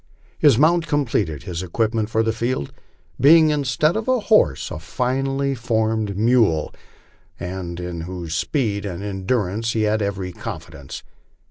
His mount completed his equipment for the field, being instead of a horse a finely formed mule, in whose speed and endurance he had every confidence.